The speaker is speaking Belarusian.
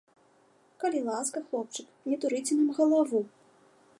Калі ласка, хлопчык, не дурыце нам галаву!